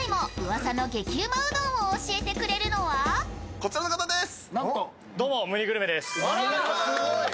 こちらの方です。